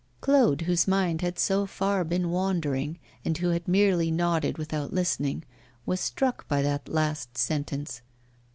Claude, whose mind had so far been wandering, and who had merely nodded without listening, was struck by that last sentence.